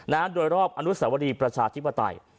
นะโดยรอบอนุสาวรีประชาชิบทรัพย์